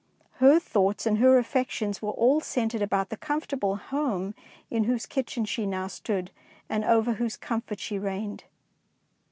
Her thoughts and her affections were all centred about the comfortable home in whose kitchen she now stood, and over whose comfort she reigned.